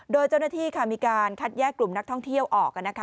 โดยเจ้าหน้าที่มีการคัดแยกกลุ่มนักท่องเที่ยวออกนะคะ